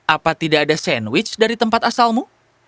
apa tidak ada sandwich dari tempat asalmu